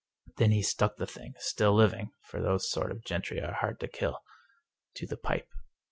Then he stuck the thing — ^still living, for those sort of gentry are hard to kill — to the pipe.